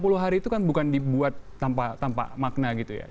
karena enam puluh hari itu kan bukan dibuat tanpa makna gitu ya